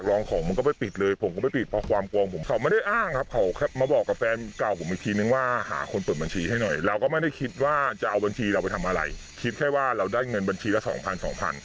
เราได้เงินบัญชีละ๒๐๐๐๒๐๐๐บาท